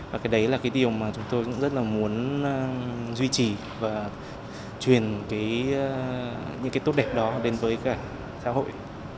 và cái đấy là cái điều mà chúng tôi cũng rất là muốn duy trì và truyền những cái tốt đẹp đó đến với cả xã hội